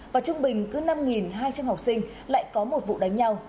và trung bình cứ năm hai trăm linh học sinh lại có một vụ đánh nhau